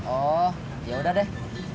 oh yaudah deh